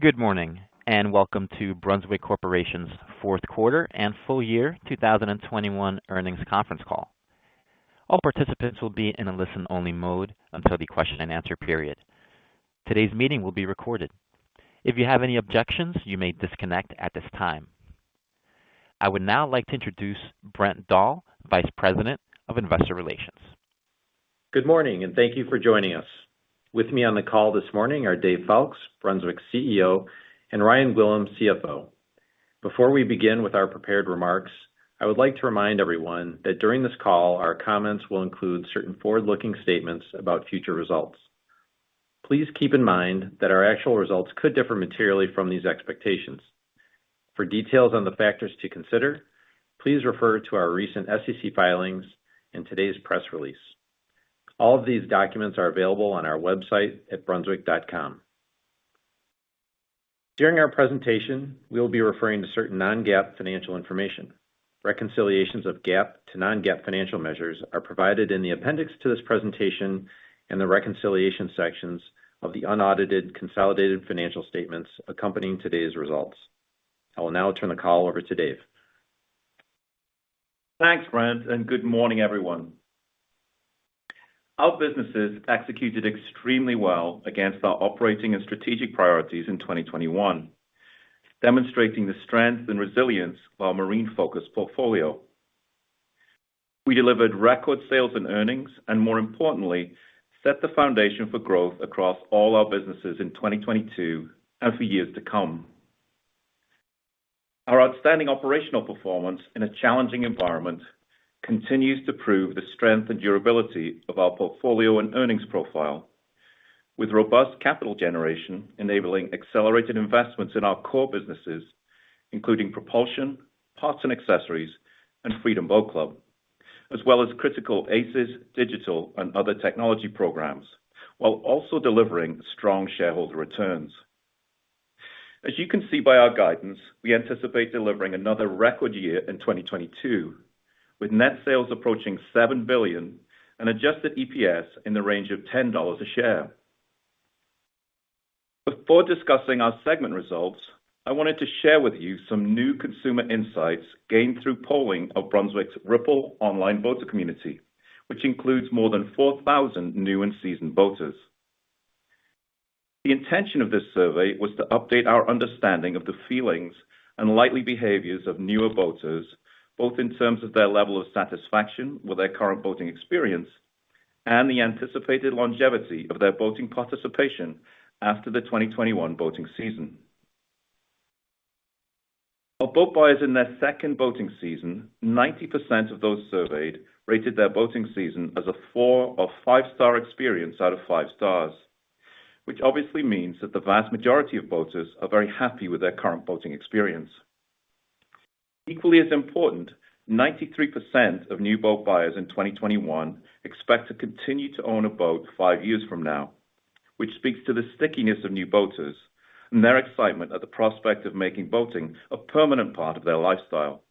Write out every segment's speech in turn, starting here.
Good morning, and welcome to Brunswick Corporation's fourth quarter and full year 2021 earnings conference call. All participants will be in a listen-only mode until the question and answer period. Today's meeting will be recorded. If you have any objections, you may disconnect at this time. I would now like to introduce Brent Dahl, Vice President of Investor Relations. Good morning, and thank you for joining us. With me on the call this morning are Dave Foulkes, Brunswick's CEO, and Ryan Gwillim, CFO. Before we begin with our prepared remarks, I would like to remind everyone that during this call, our comments will include certain forward-looking statements about future results. Please keep in mind that our actual results could differ materially from these expectations. For details on the factors to consider, please refer to our recent SEC filings and today's press release. All of these documents are available on our website at brunswick.com. During our presentation, we will be referring to certain non-GAAP financial information. Reconciliations of GAAP to non-GAAP financial measures are provided in the appendix to this presentation and the reconciliation sections of the unaudited consolidated financial statements accompanying today's results. I will now turn the call over to Dave. Thanks, Brent, and good morning, everyone. Our businesses executed extremely well against our operating and strategic priorities in 2021, demonstrating the strength and resilience of our marine-focused portfolio. We delivered record sales and earnings, and more importantly, set the foundation for growth across all our businesses in 2022 and for years to come. Our outstanding operational performance in a challenging environment continues to prove the strength and durability of our portfolio and earnings profile, with robust capital generation enabling accelerated investments in our core businesses, including propulsion, parts and accessories, and Freedom Boat Club, as well as critical ACES, digital, and other technology programs, while also delivering strong shareholder returns. As you can see by our guidance, we anticipate delivering another record year in 2022, with net sales approaching $7 billion and adjusted EPS in the range of $10 a share. Before discussing our segment results, I wanted to share with you some new consumer insights gained through polling of Brunswick's Ripl online boater community, which includes more than 4,000 new and seasoned boaters. The intention of this survey was to update our understanding of the feelings and likely behaviors of newer boaters, both in terms of their level of satisfaction with their current boating experience and the anticipated longevity of their boating participation after the 2021 boating season. For boat buyers in their second boating season, 90% of those surveyed rated their boating season as a four- or five-star experience out of five stars, which obviously means that the vast majority of boaters are very happy with their current boating experience. Equally as important, 93% of new boat buyers in 2021 expect to continue to own a boat five years from now, which speaks to the stickiness of new boaters and their excitement at the prospect of making boating a permanent part of their lifestyle.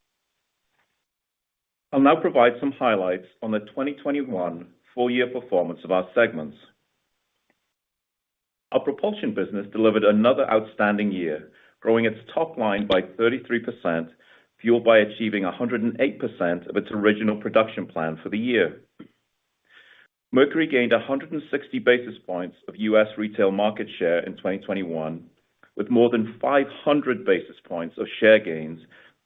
I'll now provide some highlights on the 2021 full year performance of our segments. Our propulsion business delivered another outstanding year, growing its top line by 33%, fueled by achieving 108% of its original production plan for the year. Mercury gained 160 basis points of U.S. retail market share in 2021, with more than 500 basis points of share gains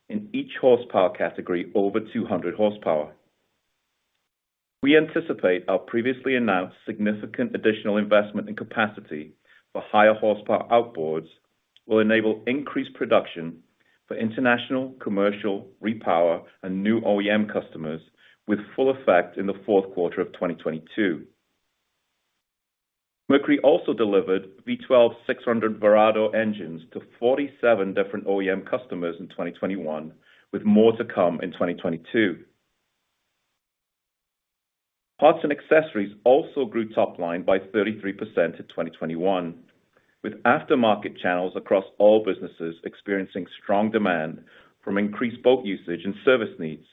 in each horsepower category over 200 horsepower. We anticipate our previously announced significant additional investment in capacity for higher horsepower outboards will enable increased production for international, commercial, repower, and new OEM customers with full effect in the fourth quarter of 2022. Mercury also delivered V12 600 Verado engines to 47 different OEM customers in 2021, with more to come in 2022. Parts and accessories also grew top line by 33% in 2021, with aftermarket channels across all businesses experiencing strong demand from increased boat usage and service needs.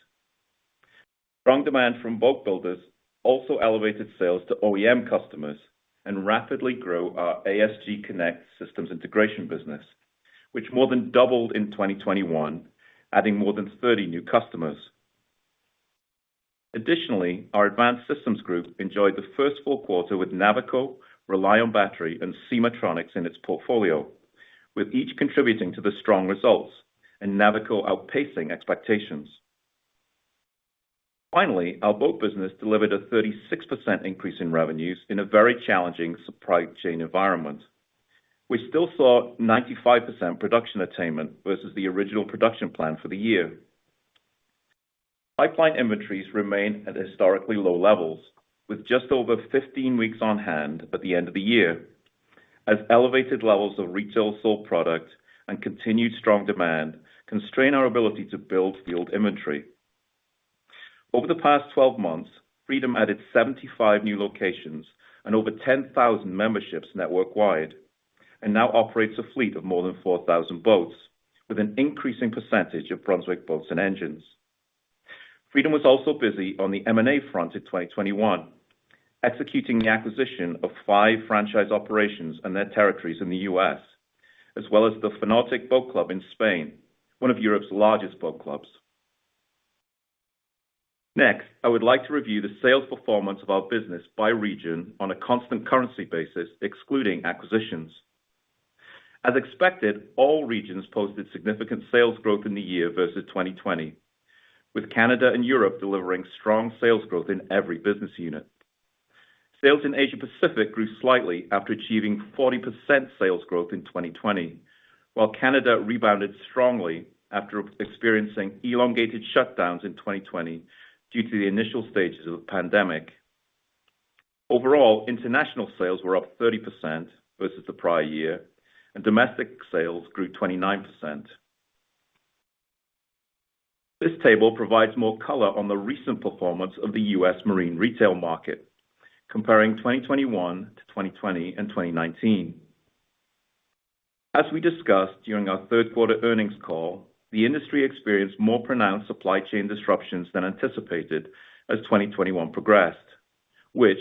Strong demand from boat builders also elevated sales to OEM customers and rapidly grow our ASG Connect systems integration business, which more than doubled in 2021, adding more than 30 new customers. Additionally, our Advanced Systems Group enjoyed the first full quarter with Navico, RELiON Battery, and SemahTronix in its portfolio, with each contributing to the strong results, and Navico outpacing expectations. Finally, our boat business delivered a 36% increase in revenues in a very challenging supply chain environment. We still saw 95% production attainment versus the original production plan for the year. Pipeline inventories remain at historically low levels with just over 15 weeks on hand at the end of the year, as elevated levels of retail sold product and continued strong demand constrain our ability to build field inventory. Over the past twelve months, Freedom added 75 new locations and over 10,000 memberships network-wide and now operates a fleet of more than 4,000 boats with an increasing percentage of Brunswick boats and engines. Freedom was also busy on the M&A front in 2021, executing the acquisition of five franchise operations and their territories in the U.S., as well as the Fanautic Boat Club in Spain, one of Europe's largest boat clubs. Next, I would like to review the sales performance of our business by region on a constant currency basis, excluding acquisitions. As expected, all regions posted significant sales growth in the year versus 2020, with Canada and Europe delivering strong sales growth in every business unit. Sales in Asia Pacific grew slightly after achieving 40% sales growth in 2020, while Canada rebounded strongly after experiencing elongated shutdowns in 2020 due to the initial stages of the pandemic. Overall, international sales were up 30% versus the prior year, and domestic sales grew 29%. This table provides more color on the recent performance of the U.S. Marine retail market, comparing 2021 to 2020 and 2019. As we discussed during our third quarter earnings call, the industry experienced more pronounced supply chain disruptions than anticipated as 2021 progressed, which,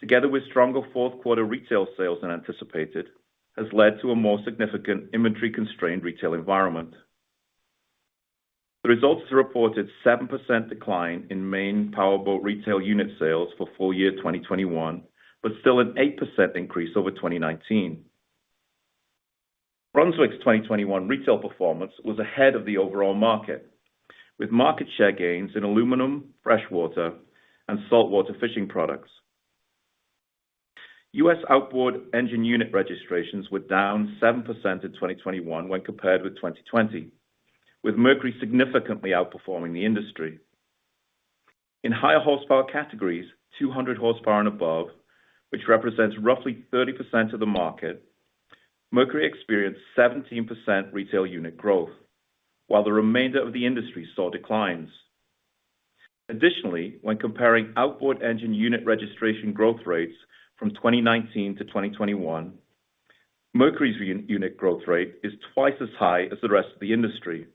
together with stronger fourth quarter retail sales than anticipated, has led to a more significant inventory-constrained retail environment. The results reported 7% decline in power boat retail unit sales for full year 2021, but still an 8% increase over 2019. Brunswick's 2021 retail performance was ahead of the overall market, with market share gains in aluminum, freshwater, and saltwater fishing products. U.S. outboard engine unit registrations were down 7% in 2021 when compared with 2020, with Mercury significantly outperforming the industry. In higher horsepower categories, 200 horsepower and above, which represents roughly 30% of the market, Mercury experienced 17% retail unit growth, while the remainder of the industry saw declines. Additionally, when comparing outboard engine unit registration growth rates from 2019 to 2021, Mercury's unit growth rate is twice as high as the rest of the industry,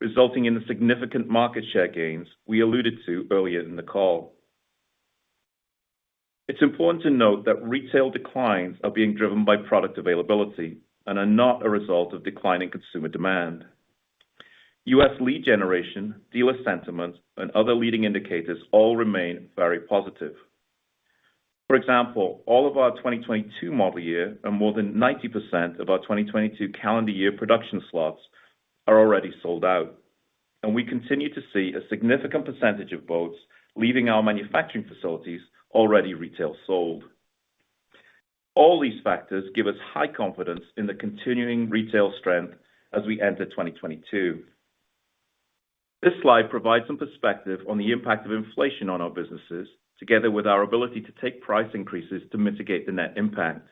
resulting in the significant market share gains we alluded to earlier in the call. It's important to note that retail declines are being driven by product availability and are not a result of declining consumer demand. U.S. lead generation, dealer sentiment, and other leading indicators all remain very positive. For example, all of our 2022 model year and more than 90% of our 2022 calendar year production slots are already sold out, and we continue to see a significant percentage of boats leaving our manufacturing facilities already retail sold. All these factors give us high confidence in the continuing retail strength as we enter 2022. This slide provides some perspective on the impact of inflation on our businesses, together with our ability to take price increases to mitigate the net impact.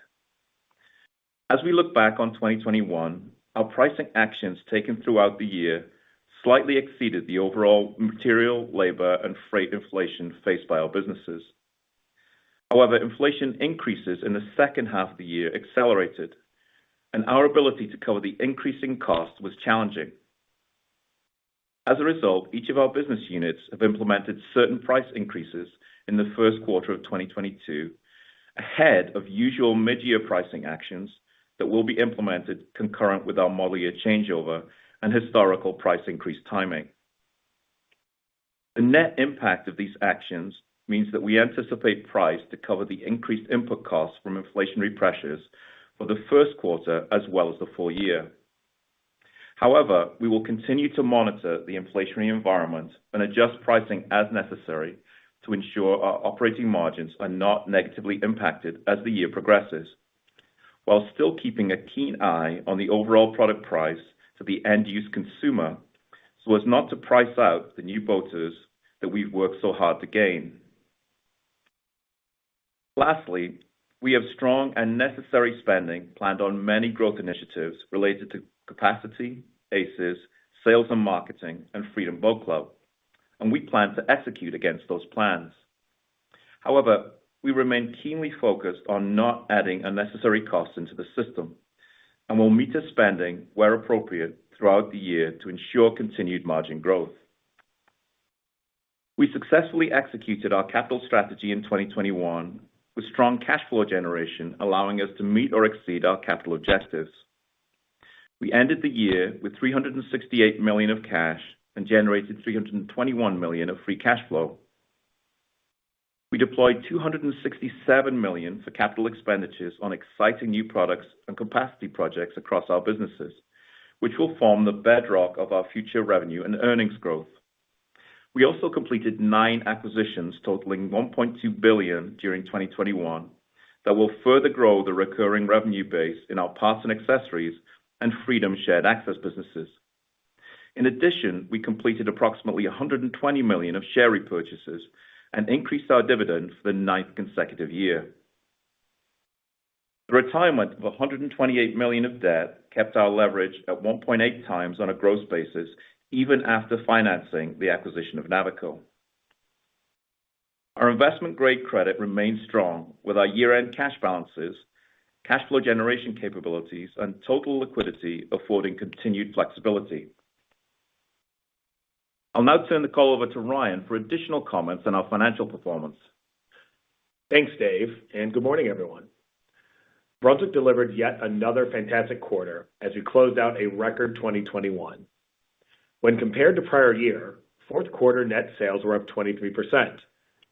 As we look back on 2021, our pricing actions taken throughout the year slightly exceeded the overall material, labor, and freight inflation faced by our businesses. However, inflation increases in the second half of the year accelerated, and our ability to cover the increasing cost was challenging. As a result, each of our business units have implemented certain price increases in the first quarter of 2022 ahead of usual mid-year pricing actions that will be implemented concurrent with our model year changeover and historical price increase timing. The net impact of these actions means that we anticipate price to cover the increased input costs from inflationary pressures for the first quarter as well as the full year. However, we will continue to monitor the inflationary environment and adjust pricing as necessary to ensure our operating margins are not negatively impacted as the year progresses, while still keeping a keen eye on the overall product price for the end-use consumer, so as not to price out the new boaters that we've worked so hard to gain. Lastly, we have strong and necessary spending planned on many growth initiatives related to capacity, ACES, sales and marketing, and Freedom Boat Club, and we plan to execute against those plans. However, we remain keenly focused on not adding unnecessary costs into the system, and will meter spending where appropriate throughout the year to ensure continued margin growth. We successfully executed our capital strategy in 2021 with strong cash flow generation allowing us to meet or exceed our capital objectives. We ended the year with $368 million of cash and generated $321 million of free cash flow. We deployed $267 million for capital expenditures on exciting new products and capacity projects across our businesses, which will form the bedrock of our future revenue and earnings growth. We also completed nine acquisitions totaling $1.2 billion during 2021 that will further grow the recurring revenue base in our parts and accessories and Freedom Shared Access businesses. In addition, we completed approximately $120 million of share repurchases and increased our dividends for the ninth consecutive year. The retirement of $128 million of debt kept our leverage at 1.8 times on a gross basis even after financing the acquisition of Navico. Our investment grade credit remains strong with our year-end cash balances, cash flow generation capabilities, and total liquidity affording continued flexibility. I'll now turn the call over to Ryan for additional comments on our financial performance. Thanks, Dave, and good morning, everyone. Brunswick delivered yet another fantastic quarter as we closed out a record 2021. When compared to prior year, fourth quarter net sales were up 23%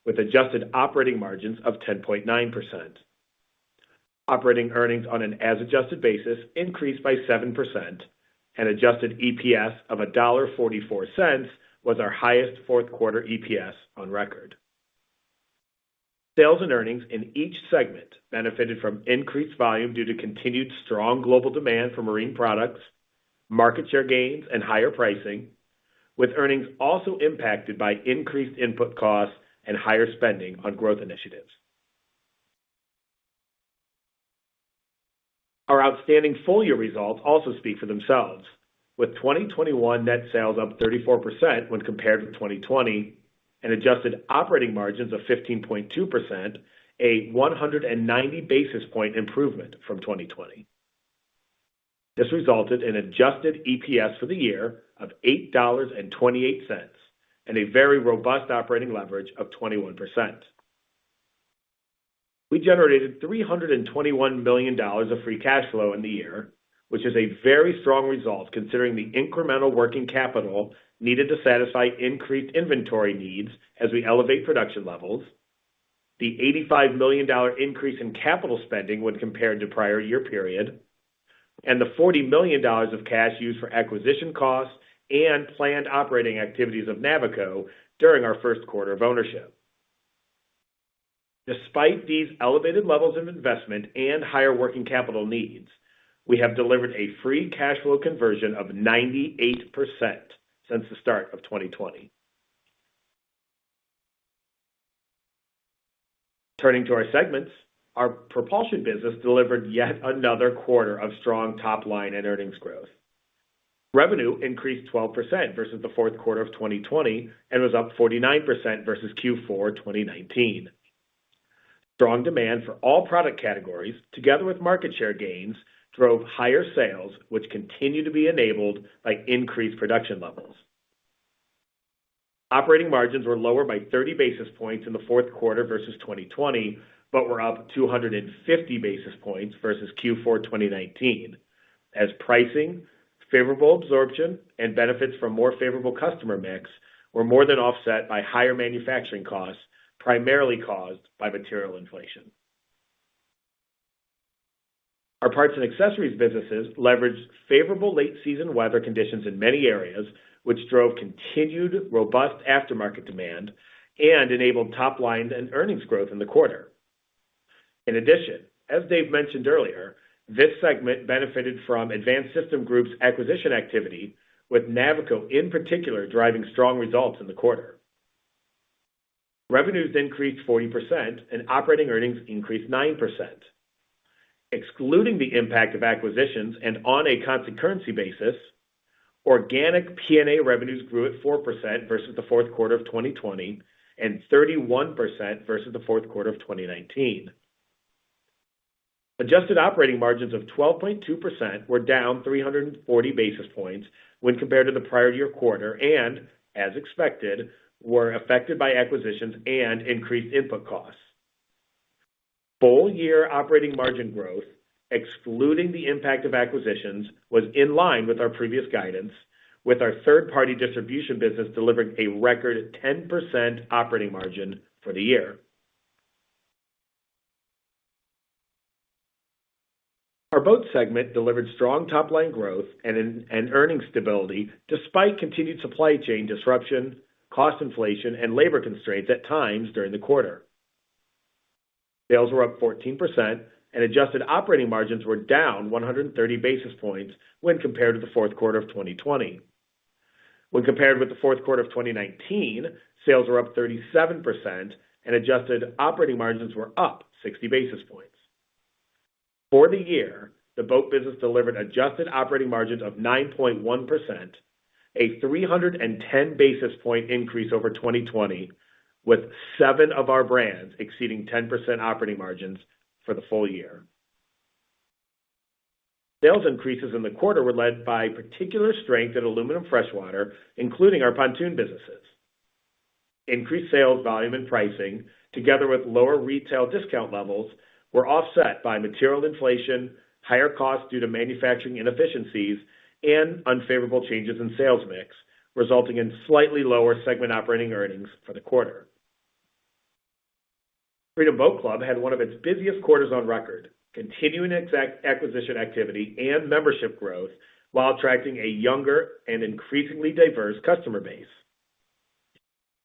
with adjusted operating margins of 10.9%. Operating earnings on an as-adjusted basis increased by 7% and adjusted EPS of $1.44 was our highest fourth quarter EPS on record. Sales and earnings in each segment benefited from increased volume due to continued strong global demand for marine products, market share gains, and higher pricing, with earnings also impacted by increased input costs and higher spending on growth initiatives. Our outstanding full-year results also speak for themselves. With 2021 net sales up 34% when compared to 2020 and adjusted operating margins of 15.2%, a 190 basis point improvement from 2020. This resulted in adjusted EPS for the year of $8.28, and a very robust operating leverage of 21%. We generated $321 million of free cash flow in the year, which is a very strong result considering the incremental working capital needed to satisfy increased inventory needs as we elevate production levels, the $85 million increase in capital spending when compared to prior year period, and the $40 million of cash used for acquisition costs and planned operating activities of Navico during our first quarter of ownership. Despite these elevated levels of investment and higher working capital needs, we have delivered a free cash flow conversion of 98% since the start of 2020. Turning to our segments. Our propulsion business delivered yet another quarter of strong top-line and earnings growth. Revenue increased 12% versus the fourth quarter of 2020 and was up 49% versus Q4 2019. Strong demand for all product categories together with market share gains drove higher sales, which continue to be enabled by increased production levels. Operating margins were lower by 30 basis points in the fourth quarter versus 2020, but were up 250 basis points versus Q4 2019 as pricing, favorable absorption, and benefits from more favorable customer mix were more than offset by higher manufacturing costs, primarily caused by material inflation. Our parts and accessories businesses leveraged favorable late season weather conditions in many areas, which drove continued robust aftermarket demand and enabled top line and earnings growth in the quarter. In addition, as Dave mentioned earlier, this segment benefited from Advanced Systems Group's acquisition activity, with Navico in particular, driving strong results in the quarter. Revenues increased 40% and operating earnings increased 9%. Excluding the impact of acquisitions and on a constant currency basis, organic PNA revenues grew 4% versus the fourth quarter of 2020 and 31% versus the fourth quarter of 2019. Adjusted operating margins of 12.2% were down 340 basis points when compared to the prior year quarter and as expected, were affected by acquisitions and increased input costs. Full year operating margin growth, excluding the impact of acquisitions, was in line with our previous guidance, with our third-party distribution business delivering a record 10% operating margin for the year. Our boat segment delivered strong top-line growth and earnings stability despite continued supply chain disruption, cost inflation, and labor constraints at times during the quarter. Sales were up 14% and adjusted operating margins were down 130 basis points when compared to the fourth quarter of 2020. When compared with the fourth quarter of 2019, sales were up 37% and adjusted operating margins were up 60 basis points. For the year, the boat business delivered adjusted operating margins of 9.1%, a 310 basis point increase over 2020, with seven of our brands exceeding 10% operating margins for the full year. Sales increases in the quarter were led by particular strength in aluminum freshwater, including our pontoon businesses. Increased sales volume and pricing, together with lower retail discount levels, were offset by material inflation, higher costs due to manufacturing inefficiencies, and unfavorable changes in sales mix, resulting in slightly lower segment operating earnings for the quarter. Freedom Boat Club had one of its busiest quarters on record, continuing its acquisition activity and membership growth while attracting a younger and increasingly diverse customer base.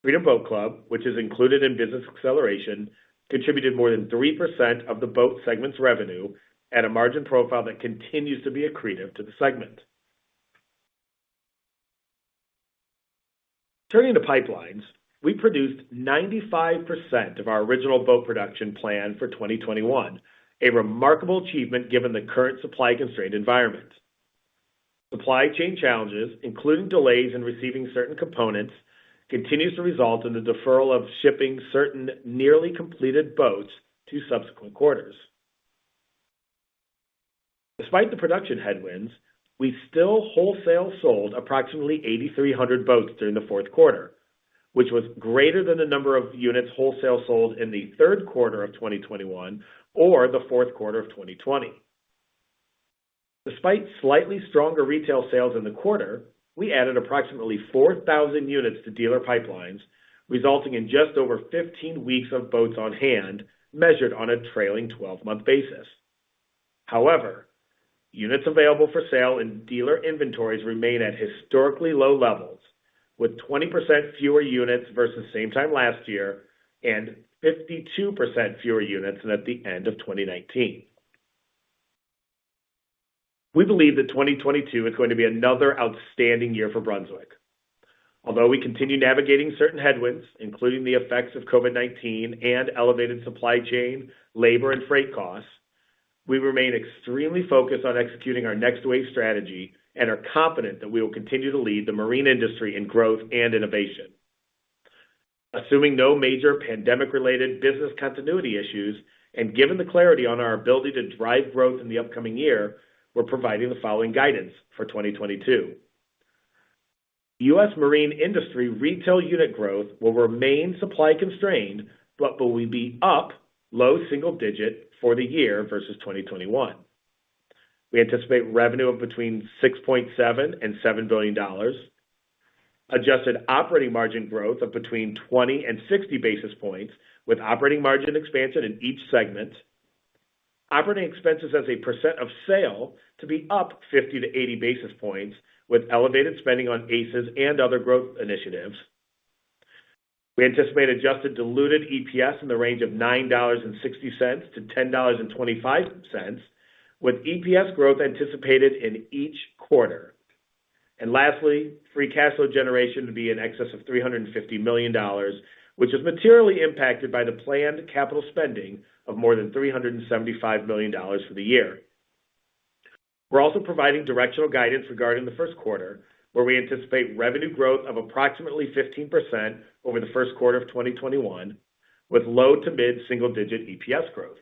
Freedom Boat Club, which is included in business acceleration, contributed more than 3% of the boat segment's revenue at a margin profile that continues to be accretive to the segment. Turning to pipelines. We produced 95% of our original boat production plan for 2021, a remarkable achievement given the current supply constraint environment. Supply chain challenges, including delays in receiving certain components, continues to result in the deferral of shipping certain nearly completed boats to subsequent quarters. Despite the production headwinds, we still wholesale sold approximately 8,300 boats during the fourth quarter, which was greater than the number of units wholesale sold in the third quarter of 2021 or the fourth quarter of 2020. Despite slightly stronger retail sales in the quarter, we added approximately 4,000 units to dealer pipelines, resulting in just over 15 weeks of boats on hand measured on a trailing twelve-month basis. However, units available for sale in dealer inventories remain at historically low levels, with 20% fewer units versus same time last year and 52% fewer units than at the end of 2019. We believe that 2022 is going to be another outstanding year for Brunswick. Although we continue navigating certain headwinds, including the effects of COVID-19 and elevated supply chain, labor, and freight costs, we remain extremely focused on executing our Next Wave strategy and are confident that we will continue to lead the marine industry in growth and innovation. Assuming no major pandemic-related business continuity issues, and given the clarity on our ability to drive growth in the upcoming year, we're providing the following guidance for 2022. U.S. marine industry retail unit growth will remain supply constrained, but will be up low single-digit for the year versus 2021. We anticipate revenue of between $6.7-$7 billion. Adjusted operating margin growth of between 20-60 basis points, with operating margin expansion in each segment. Operating expenses as a percent of sales to be up 50 basis points-80 basis points, with elevated spending on ACES and other growth initiatives. We anticipate adjusted diluted EPS in the range of $9.60-$10.25, with EPS growth anticipated in each quarter. Lastly, free cash flow generation to be in excess of $350 million, which is materially impacted by the planned capital spending of more than $375 million for the year. We're also providing directional guidance regarding the first quarter, where we anticipate revenue growth of approximately 15% over the first quarter of 2021, with low- to mid-single-digit EPS growth.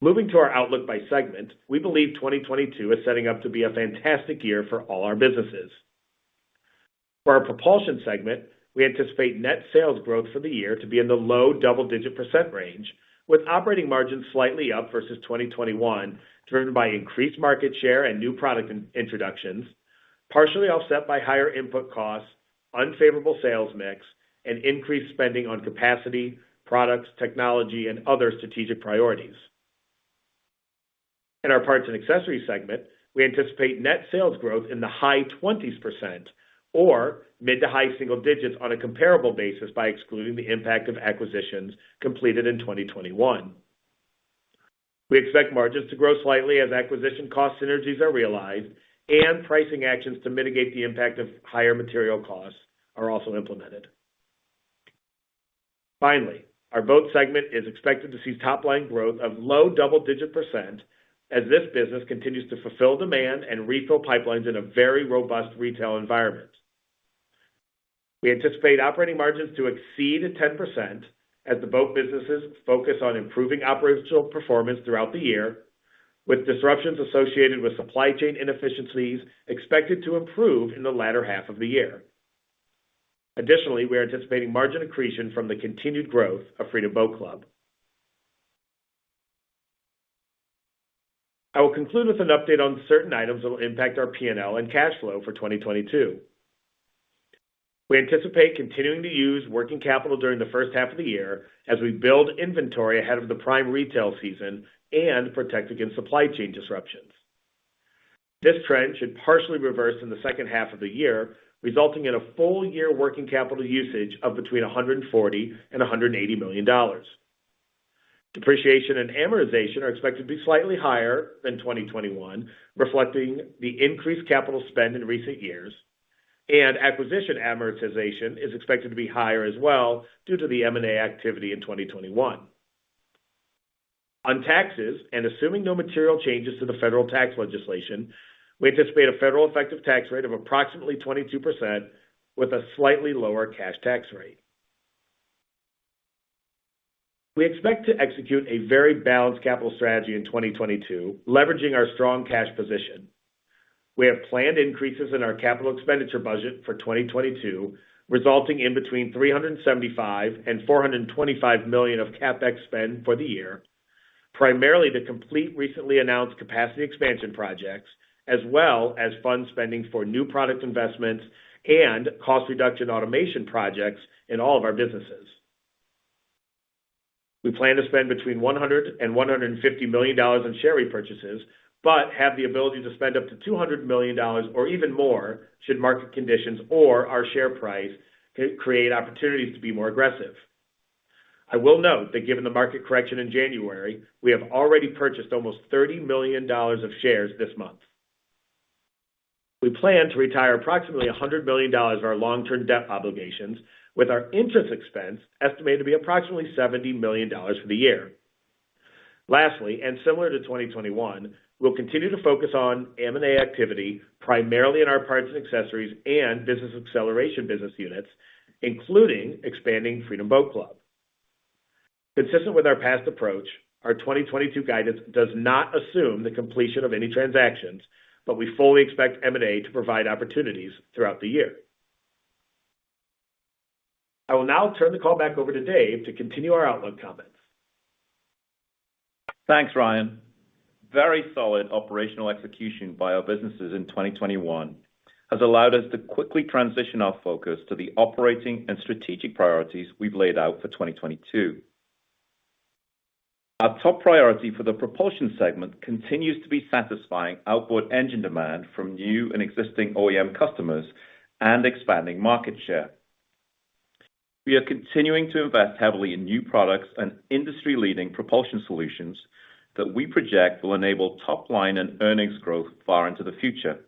Moving to our outlook by segment, we believe 2022 is setting up to be a fantastic year for all our businesses. For our propulsion segment, we anticipate net sales growth for the year to be in the low double-digit % range, with operating margins slightly up versus 2021, driven by increased market share and new product introductions, partially offset by higher input costs, unfavorable sales mix, and increased spending on capacity, products, technology, and other strategic priorities. In our parts and accessories segment, we anticipate net sales growth in the high 20s% or mid- to high-single digits on a comparable basis by excluding the impact of acquisitions completed in 2021. We expect margins to grow slightly as acquisition cost synergies are realized and pricing actions to mitigate the impact of higher material costs are also implemented. Our boat segment is expected to see top-line growth of low double-digit % as this business continues to fulfill demand and refill pipelines in a very robust retail environment. We anticipate operating margins to exceed 10% as the boat businesses focus on improving operational performance throughout the year, with disruptions associated with supply chain inefficiencies expected to improve in the latter half of the year. We are anticipating margin accretion from the continued growth of Freedom Boat Club. I will conclude with an update on certain items that will impact our P&L and cash flow for 2022. We anticipate continuing to use working capital during the first half of the year as we build inventory ahead of the prime retail season and protect against supply chain disruptions. This trend should partially reverse in the second half of the year, resulting in a full-year working capital usage of between $140 million and $180 million. Depreciation and amortization are expected to be slightly higher than 2021, reflecting the increased capital spend in recent years. Acquisition amortization is expected to be higher as well due to the M&A activity in 2021. On taxes, and assuming no material changes to the federal tax legislation, we anticipate a federal effective tax rate of approximately 22% with a slightly lower cash tax rate. We expect to execute a very balanced capital strategy in 2022, leveraging our strong cash position. We have planned increases in our capital expenditure budget for 2022, resulting in between $375 million and $425 million of CapEx spend for the year, primarily to complete recently announced capacity expansion projects as well as fund spending for new product investments and cost reduction automation projects in all of our businesses. We plan to spend between $100 million and $150 million in share repurchases, but have the ability to spend up to $200 million or even more should market conditions or our share price create opportunities to be more aggressive. I will note that given the market correction in January, we have already purchased almost $30 million of shares this month. We plan to retire approximately $100 million of our long-term debt obligations with our interest expense estimated to be approximately $70 million for the year. Lastly, and similar to 2021, we'll continue to focus on M&A activity primarily in our parts and accessories and business acceleration business units, including expanding Freedom Boat Club. Consistent with our past approach, our 2022 guidance does not assume the completion of any transactions, but we fully expect M&A to provide opportunities throughout the year. I will now turn the call back over to Dave to continue our outlook comments. Thanks, Ryan. Very solid operational execution by our businesses in 2021 has allowed us to quickly transition our focus to the operating and strategic priorities we've laid out for 2022. Our top priority for the propulsion segment continues to be satisfying outboard engine demand from new and existing OEM customers and expanding market share. We are continuing to invest heavily in new products and industry-leading propulsion solutions that we project will enable top-line and earnings growth far into the future.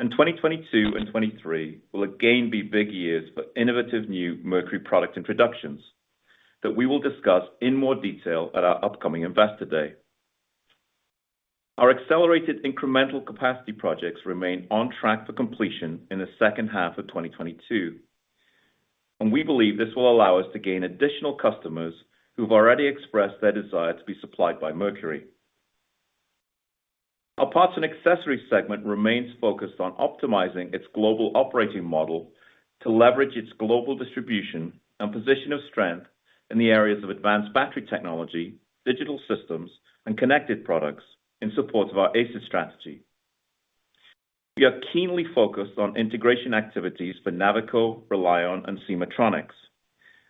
In 2022 and 2023 will again be big years for innovative new Mercury product introductions that we will discuss in more detail at our upcoming Investor Day. Our accelerated incremental capacity projects remain on track for completion in the second half of 2022, and we believe this will allow us to gain additional customers who've already expressed their desire to be supplied by Mercury. Our Parts and Accessories segment remains focused on optimizing its global operating model to leverage its global distribution and position of strength in the areas of advanced battery technology, digital systems, and connected products in support of our ACES strategy. We are keenly focused on integration activities for Navico, RELiON, and SemahTronix,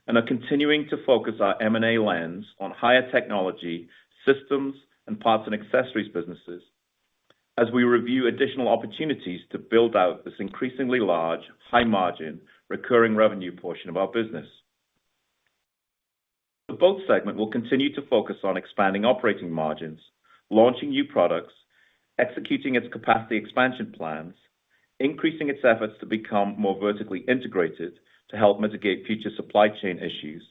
and are continuing to focus our M&A lens on higher technology systems and parts and accessories businesses as we review additional opportunities to build out this increasingly large, high margin, recurring revenue portion of our business. The Boat segment will continue to focus on expanding operating margins, launching new products, executing its capacity expansion plans, increasing its efforts to become more vertically integrated to help mitigate future supply chain issues,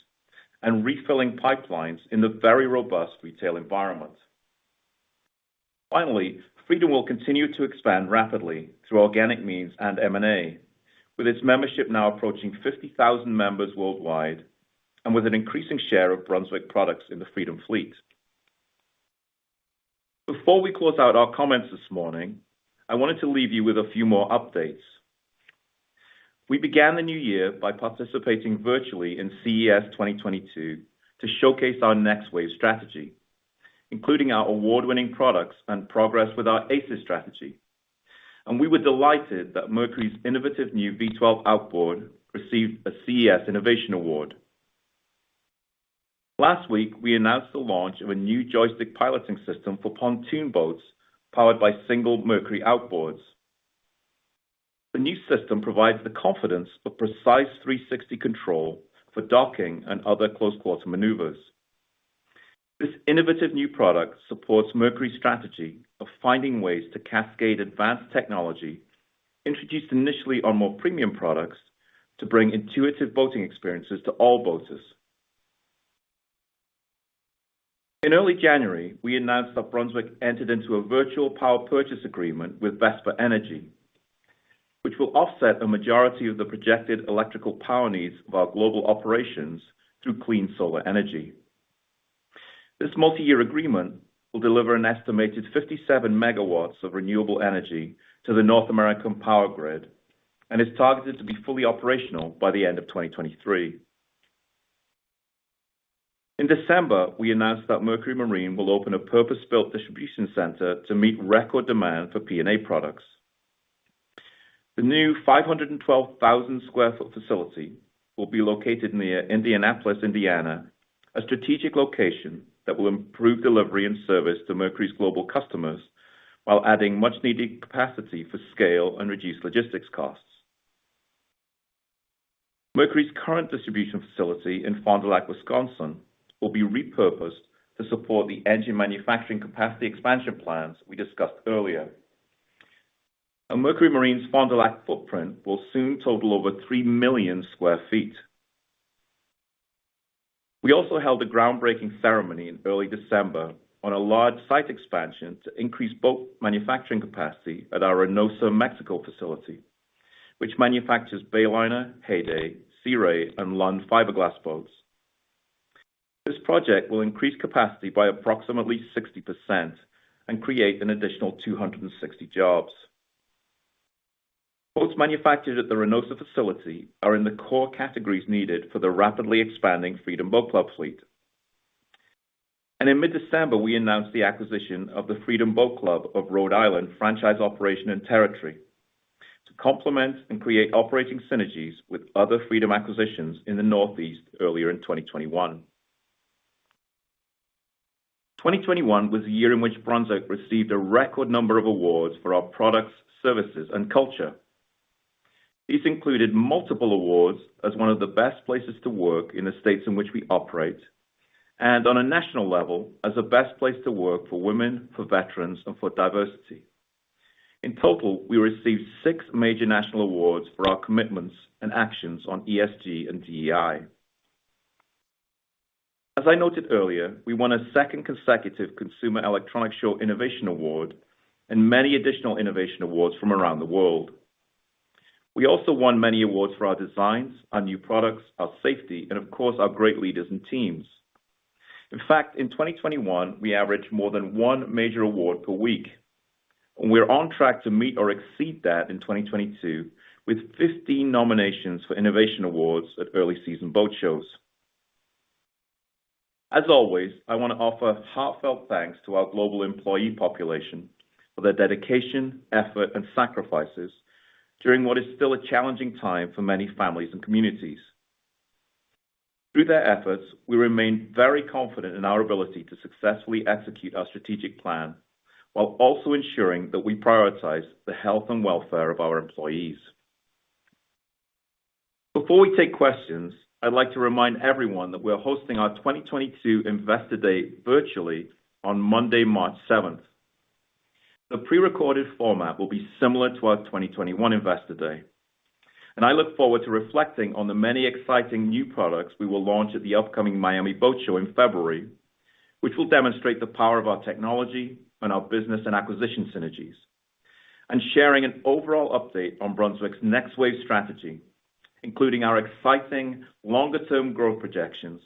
and refilling pipelines in the very robust retail environment. Finally, Freedom will continue to expand rapidly through organic means and M&A, with its membership now approaching 50,000 members worldwide and with an increasing share of Brunswick products in the Freedom fleet. Before we close out our comments this morning, I wanted to leave you with a few more updates. We began the new year by participating virtually in CES 2022 to showcase our Next Wave strategy, including our award-winning products and progress with our ACES strategy. We were delighted that Mercury's innovative new V12 outboard received a CES Innovation Award. Last week, we announced the launch of a new joystick piloting system for pontoon boats powered by single Mercury outboards. The new system provides the confidence of precise 360 control for docking and other close-quarter maneuvers. This innovative new product supports Mercury's strategy of finding ways to cascade advanced technology introduced initially on more premium products to bring intuitive boating experiences to all boaters. In early January, we announced that Brunswick entered into a virtual power purchase agreement with Vesper Energy, which will offset a majority of the projected electrical power needs of our global operations through clean solar energy. This multi-year agreement will deliver an estimated 57 MW of renewable energy to the North American power grid and is targeted to be fully operational by the end of 2023. In December, we announced that Mercury Marine will open a purpose-built distribution center to meet record demand for P&A products. The new 512,000 sq ft facility will be located near Indianapolis, Indiana, a strategic location that will improve delivery and service to Mercury's global customers while adding much-needed capacity for scale and reduced logistics costs. Mercury's current distribution facility in Fond du Lac, Wisconsin, will be repurposed to support the engine manufacturing capacity expansion plans we discussed earlier. Mercury Marine's Fond du Lac footprint will soon total over 3 million sq ft. We also held a groundbreaking ceremony in early December on a large site expansion to increase boat manufacturing capacity at our Reynosa, Mexico facility, which manufactures Bayliner, Heyday, Sea Ray, and Lund fiberglass boats. This project will increase capacity by approximately 60% and create an additional 260 jobs. Boats manufactured at the Reynosa facility are in the core categories needed for the rapidly expanding Freedom Boat Club fleet. In mid-December, we announced the acquisition of the Freedom Boat Club of Rhode Island franchise operation and territory to complement and create operating synergies with other Freedom acquisitions in the Northeast earlier in 2021. 2021 was a year in which Brunswick received a record number of awards for our products, services, and culture. These included multiple awards as one of the best places to work in the states in which we operate, and on a national level as the best place to work for women, for veterans, and for diversity. In total, we received six major national awards for our commitments and actions on ESG and DEI. As I noted earlier, we won a second consecutive Consumer Electronics Show Innovation Award and many additional innovation awards from around the world. We also won many awards for our designs, our new products, our safety, and of course, our great leaders and teams. In fact, in 2021, we averaged more than one major award per week, and we're on track to meet or exceed that in 2022 with 15 nominations for innovation awards at early season boat shows. As always, I want to offer heartfelt thanks to our global employee population for their dedication, effort, and sacrifices during what is still a challenging time for many families and communities. Through their efforts, we remain very confident in our ability to successfully execute our strategic plan while also ensuring that we prioritize the health and welfare of our employees. Before we take questions, I'd like to remind everyone that we're hosting our 2022 Investor Day virtually on Monday, March 7. The pre-recorded format will be similar to our 2021 Investor Day, and I look forward to reflecting on the many exciting new products we will launch at the upcoming Miami International Boat Show in February, which will demonstrate the power of our technology and our business and acquisition synergies, sharing an overall update on Brunswick's Next Wave strategy, including our exciting longer term growth projections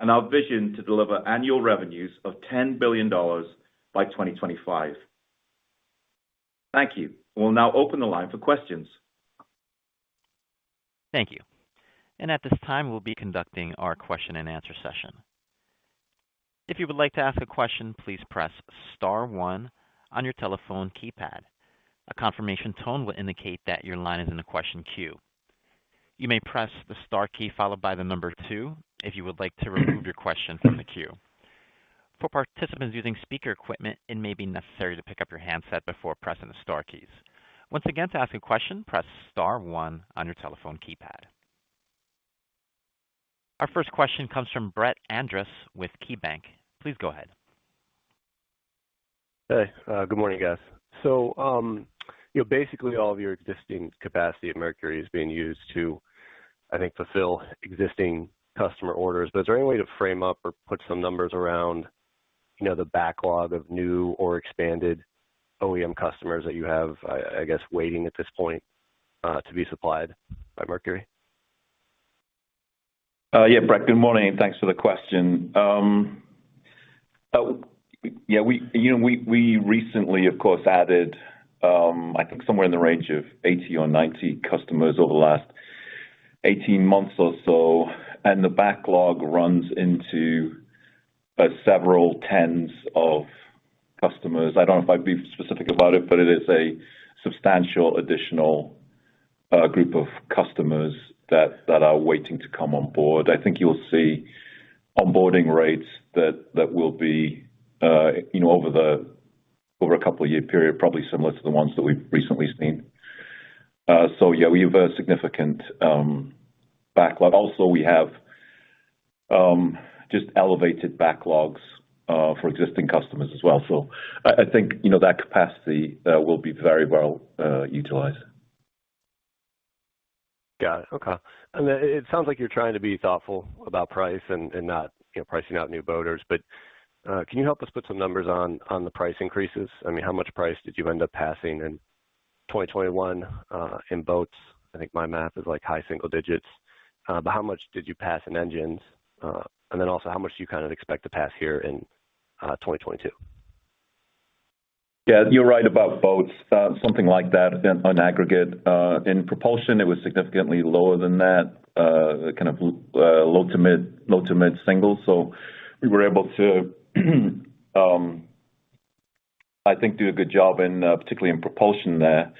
and our vision to deliver annual revenues of $10 billion by 2025. Thank you. We'll now open the line for questions. Thank you. At this time, we'll be conducting our question and answer session. If you would like to ask a question, please press star one on your telephone keypad. A confirmation tone will indicate that your line is in the question queue. You may press the star key followed by the number two if you would like to remove your question from the queue. For participants using speaker equipment, it may be necessary to pick up your handset before pressing the star keys. Once again, to ask a question, press star one on your telephone keypad. Our first question comes from Brett Andress with KeyBanc. Please go ahead. Hey, good morning, guys. Basically all of your existing capacity at Mercury is being used to, I think, fulfill existing customer orders. Is there any way to frame up or put some numbers around the backlog of new or expanded OEM customers that you have, I guess, waiting at this point, to be supplied by Mercury? Yeah. Brett, good morning. Thanks for the question. Yeah, we, you know, we recently, of course, added, I think somewhere in the range of 80 customers or 90 customers over the last 18 months or so, and the backlog runs into several tens of customers. I don't know if I'd be specific about it, but it is a substantial additional group of customers that are waiting to come on board. I think you'll see onboarding rates that will be, you know, over a couple of year period, probably similar to the ones that we've recently seen. Yeah, we have a significant backlog. Also, we have just elevated backlogs for existing customers as well. I think, you know, that capacity will be very well utilized. Got it. Okay. It sounds like you're trying to be thoughtful about price and not, you know, pricing out new boaters. Can you help us put some numbers on the price increases? I mean, how much price did you end up passing in 2021 in boats? I think my math is like high single digits. How much did you pass in engines? And then also, how much do you kind of expect to pass here in 2022? Yeah, you're right about boats. Something like that in aggregate. In propulsion, it was significantly lower than that, kind of low to mid-single. We were able to, I think, do a good job in, particularly in propulsion there.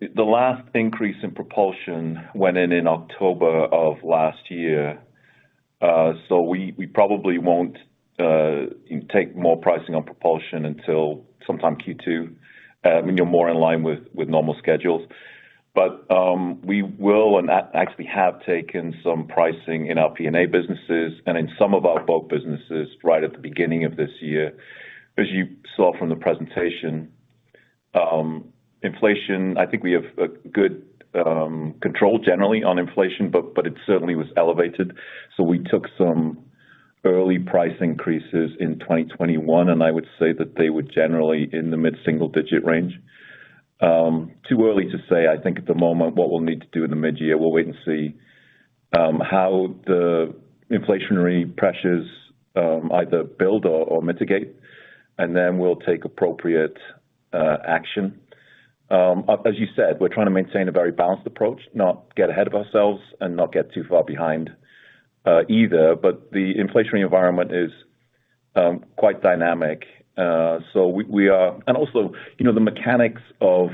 The last increase in propulsion went in October of last year. We probably won't take more pricing on propulsion until sometime Q2, when you're more in line with normal schedules. We will and actually have taken some pricing in our P&A businesses and in some of our boat businesses right at the beginning of this year. As you saw from the presentation, inflation. I think we have a good control generally on inflation, but it certainly was elevated. We took some early price increases in 2021, and I would say that they were generally in the mid-single-digit range. Too early to say, I think at the moment, what we'll need to do in the mid-year. We'll wait and see how the inflationary pressures either build or mitigate, and then we'll take appropriate action. As you said, we're trying to maintain a very balanced approach, not get ahead of ourselves and not get too far behind either. The inflationary environment is quite dynamic. You know, the mechanics of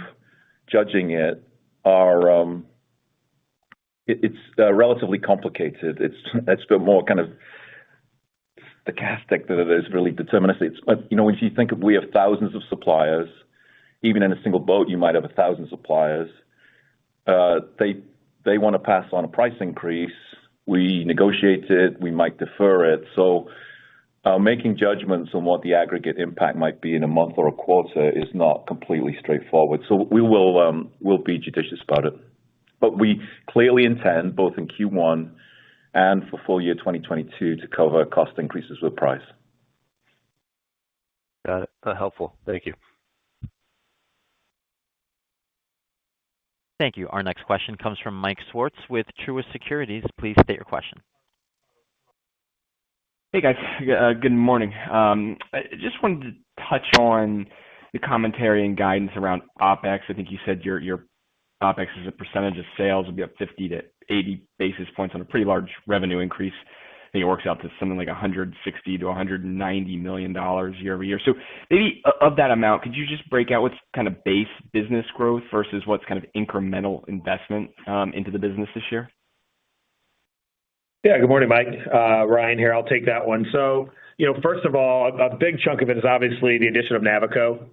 judging it are relatively complicated. It's been more kind of stochastic than it is really deterministically. You know, if you think of we have thousands of suppliers, even in a single boat, you might have 1,000 suppliers. They wanna pass on a price increase. We negotiate it, we might defer it. Making judgments on what the aggregate impact might be in a month or a quarter is not completely straightforward. We'll be judicious about it. We clearly intend, both in Q1 and for full year 2022, to cover cost increases with price. Got it. Helpful. Thank you. Thank you. Our next question comes from Mike Swartz with Truist Securities. Please state your question. Hey, guys. Good morning. I just wanted to touch on the commentary and guidance around OpEx. I think you said your OpEx as a percentage of sales will be up 50 basis points-80 basis points on a pretty large revenue increase. I think it works out to something like $160 million-$190 million year-over-year. Maybe of that amount, could you just break out what's kind of base business growth versus what's kind of incremental investment into the business this year? Yeah. Good morning, Mike. Ryan here, I'll take that one. You know, first of all, a big chunk of it is obviously the addition of Navico.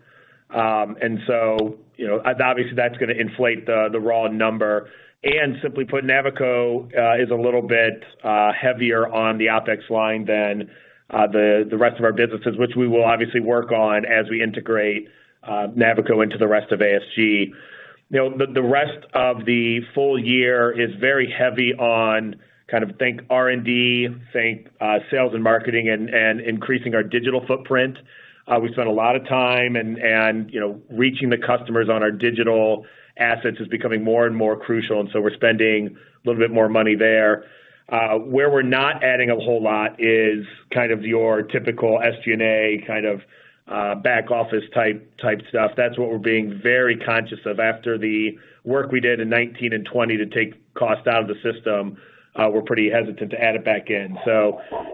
You know, obviously, that's gonna inflate the raw number. Simply put, Navico is a little bit heavier on the OpEx line than the rest of our businesses, which we will obviously work on as we integrate Navico into the rest of ASG. You know, the rest of the full year is very heavy on kind of think R&D, think sales and marketing and increasing our digital footprint. We've spent a lot of time and you know, reaching the customers on our digital assets is becoming more and more crucial, and so we're spending a little bit more money there. Where we're not adding a whole lot is kind of your typical SG&A kind of back office type stuff. That's what we're being very conscious of. After the work we did in 2019 and 2020 to take cost out of the system, we're pretty hesitant to add it back in.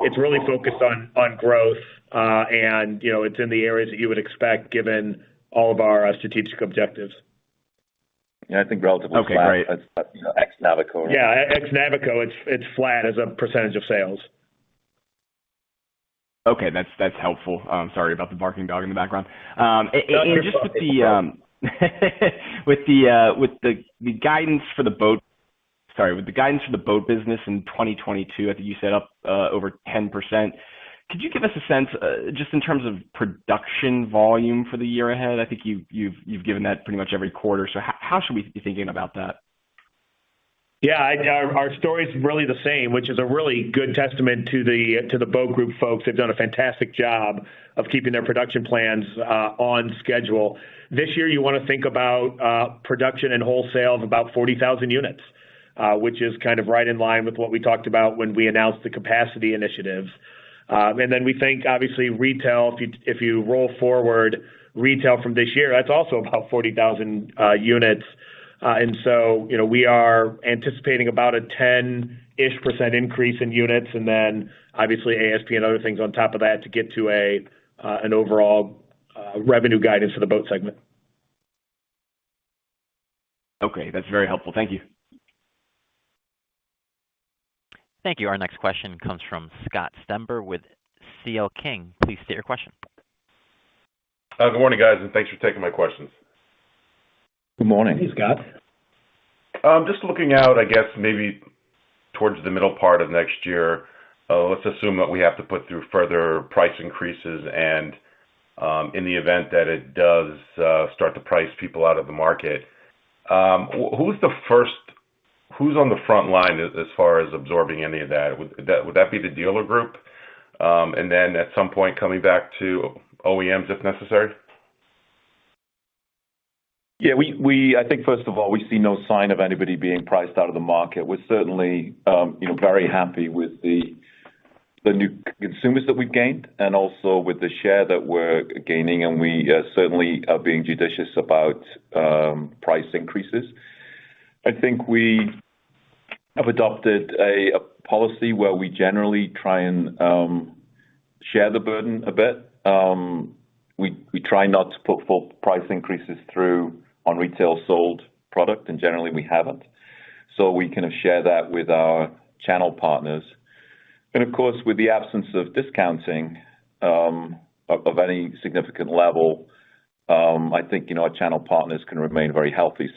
It's really focused on growth, and you know, it's in the areas that you would expect given all of our strategic objectives. Yeah, I think relatively flat. Okay, great. You know, ex Navico. Yeah, ex Navico, it's flat as a percentage of sales. Okay. That's helpful. Sorry about the barking dog in the background. Just with the guidance for the boat business in 2022, I think you said up over 10%. Could you give us a sense just in terms of production volume for the year ahead? I think you've given that pretty much every quarter. How should we be thinking about that? Our story's really the same, which is a really good testament to the Boat Group folks. They've done a fantastic job of keeping their production plans on schedule. This year, you want to think about production and wholesale of about 40,000 units, which is kind of right in line with what we talked about when we announced the capacity initiatives. We think, obviously, if you roll forward retail from this year, that's also about 40,000 units. You know, we are anticipating about a 10-ish% increase in units and then obviously ASP and other things on top of that to get to an overall revenue guidance for the boat segment. Okay, that's very helpful. Thank you. Thank you. Our next question comes from Scott Stember with CL King & Associates. Please state your question. Good morning, guys, and thanks for taking my questions. Good morning. Hey, Scott. Just looking out, I guess, maybe towards the middle part of next year, let's assume that we have to put through further price increases and, in the event that it does start to price people out of the market, who's on the front line as far as absorbing any of that? Would that be the dealer group, and then at some point coming back to OEMs if necessary? Yeah. I think, first of all, we see no sign of anybody being priced out of the market. We're certainly, you know, very happy with the new consumers that we've gained and also with the share that we're gaining, and we certainly are being judicious about, price increases. I think we have adopted a policy where we generally try and share the burden a bit. We try not to put full price increases through on retail sold product, and generally, we haven't. We kind of share that with our channel partners. Of course, with the absence of discounting, of any significant level, I think, you know, our channel partners can remain very healthy.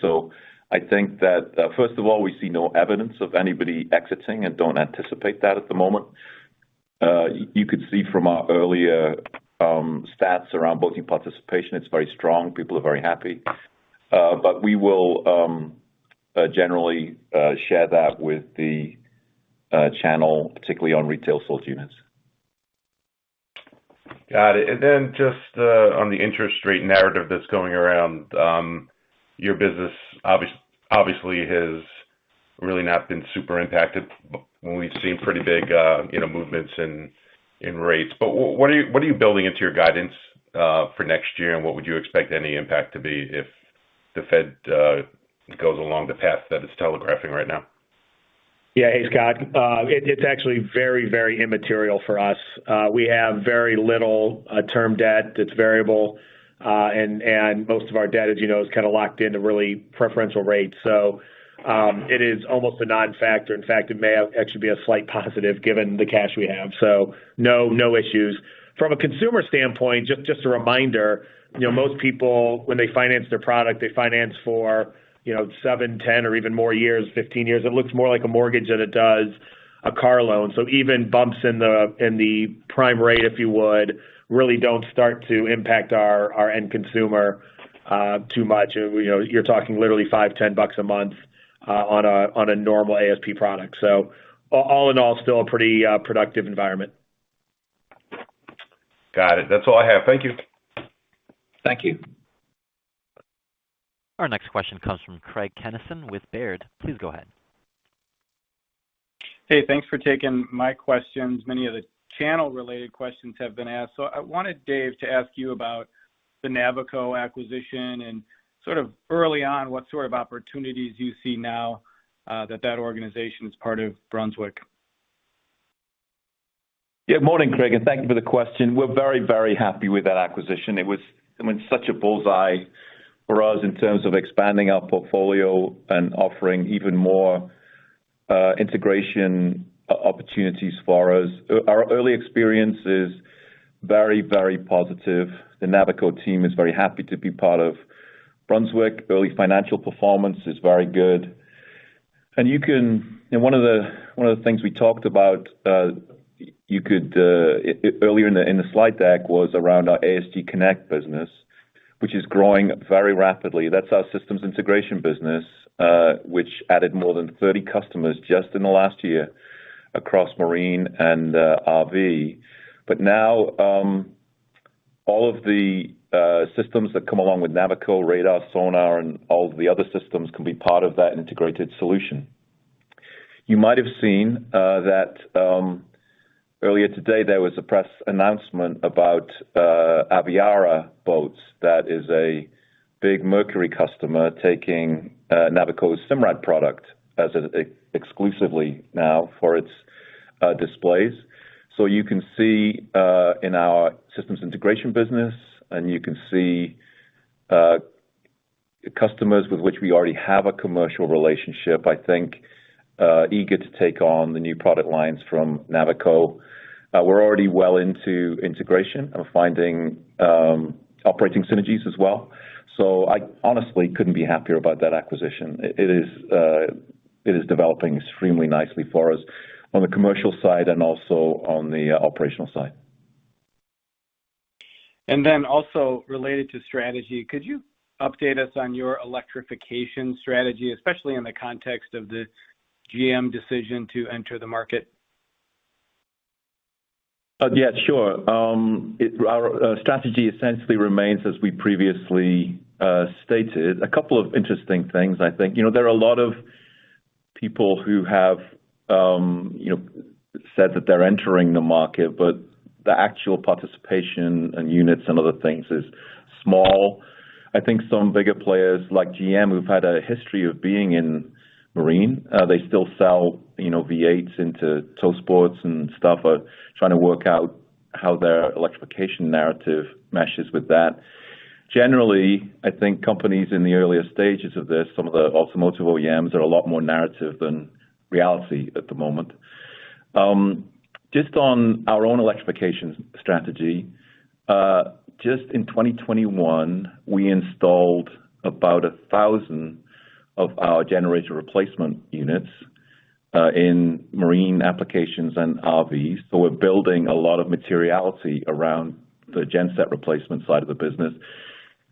I think that, first of all, we see no evidence of anybody exiting and don't anticipate that at the moment. You could see from our earlier stats around boating participation, it's very strong. People are very happy. We will generally share that with the channel, particularly on retail sold units. Got it. Then just on the interest rate narrative that's going around, your business obviously has really not been super impacted when we've seen pretty big, you know, movements in rates. What are you building into your guidance for next year, and what would you expect any impact to be if the Fed goes along the path that it's telegraphing right now? Hey, Scott. It's actually very, very immaterial for us. We have very little term debt that's variable, and most of our debt, as you know, is kinda locked into really preferential rates. It is almost a non-factor. In fact, it may actually be a slight positive given the cash we have. No issues. From a consumer standpoint, just a reminder, you know, most people when they finance their product, they finance for, you know, 7, 10 or even more years, 15 years. It looks more like a mortgage than it does a car loan. Even bumps in the prime rate, if you would, really don't start to impact our end consumer too much. You know, you're talking literally $5, $10 a month on a normal ASP product. All in all, still a pretty productive environment. Got it. That's all I have. Thank you. Thank you. Our next question comes from Craig Kennison with Baird. Please go ahead. Hey, thanks for taking my questions. Many of the channel related questions have been asked, so I wanted Dave to ask you about the Navico acquisition and sort of early on, what sort of opportunities you see now that organization is part of Brunswick. Yeah. Morning, Craig, and thank you for the question. We're very, very happy with that acquisition. It was, I mean, such a bull's-eye for us in terms of expanding our portfolio and offering even more integration opportunities for us. Our early experience is very, very positive. The Navico team is very happy to be part of Brunswick. Early financial performance is very good. One of the things we talked about earlier in the slide deck was around our ASG Connect business, which is growing very rapidly. That's our systems integration business, which added more than 30 customers just in the last year across marine and RV. Now all of the systems that come along with Navico radar, sonar, and all of the other systems can be part of that integrated solution. You might have seen that earlier today there was a press announcement about Aviara Boats that is a big Mercury customer taking Navico's Simrad product as an exclusively now for its displays. You can see in our systems integration business, and you can see customers with which we already have a commercial relationship, I think, eager to take on the new product lines from Navico. We're already well into integration and finding operating synergies as well. I honestly couldn't be happier about that acquisition. It is developing extremely nicely for us on the commercial side and also on the operational side. Also related to strategy, could you update us on your electrification strategy, especially in the context of the GM decision to enter the market? Yeah, sure. Our strategy essentially remains as we previously stated. A couple of interesting things, I think. You know, there are a lot of people who have, you know, said that they're entering the market, but the actual participation in units and other things is small. I think some bigger players like GM, who've had a history of being in marine, they still sell, you know, V8s into tow sports and stuff, are trying to work out how their electrification narrative meshes with that. Generally, I think companies in the earlier stages of this, some of the automotive OEMs are a lot more narrative than reality at the moment. Just on our own electrification strategy, just in 2021, we installed about 1,000 of our generator replacement units in marine applications and RVs. We're building a lot of materiality around the genset replacement side of the business.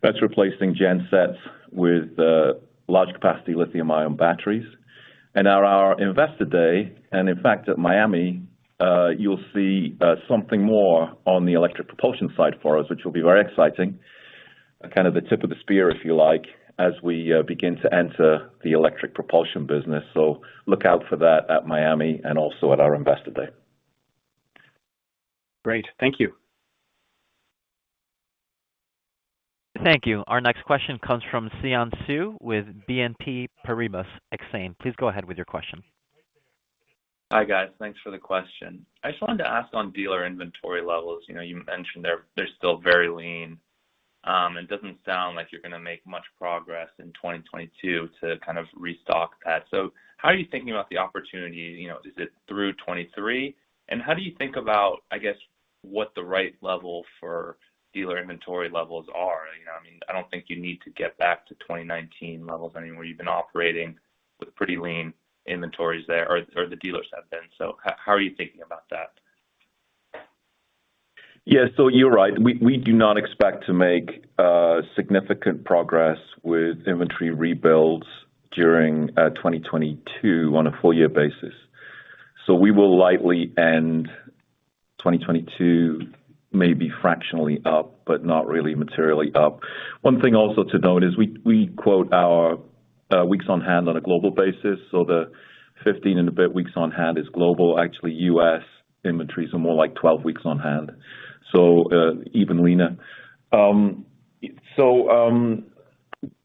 That's replacing gensets with large capacity lithium-ion batteries. At our Investor Day and in fact at Miami, you'll see something more on the electric propulsion side for us, which will be very exciting. Kind of the tip of the spear, if you like, as we begin to enter the electric propulsion business. Look out for that at Miami and also at our Investor Day. Great. Thank you. Thank you. Our next question comes from Xian Siew with BNP Paribas Exane. Please go ahead with your question. Hi, guys. Thanks for the question. I just wanted to ask on dealer inventory levels. You know, you mentioned they're still very lean. It doesn't sound like you're gonna make much progress in 2022 to kind of restock that. How are you thinking about the opportunity? You know, is it through 2023? How do you think about, I guess, what the right level for dealer inventory levels are? You know, I mean, I don't think you need to get back to 2019 levels anymore. You've been operating with pretty lean inventories there, or the dealers have been. How are you thinking about that? Yeah. You're right. We do not expect to make significant progress with inventory rebuilds during 2022 on a full year basis. We will likely end 2022 maybe fractionally up, but not really materially up. One thing also to note is we quote our weeks on hand on a global basis. The 15 and a bit weeks on hand is global. Actually, U.S. inventories are more like 12 weeks on hand. Even leaner.